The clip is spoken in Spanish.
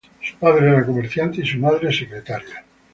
Su padre era comerciante y su madre secretaria.